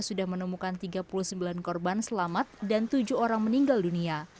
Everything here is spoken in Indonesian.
sudah menemukan tiga puluh sembilan korban selamat dan tujuh orang meninggal dunia